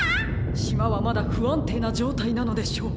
しまはまだふあんていなじょうたいなのでしょう。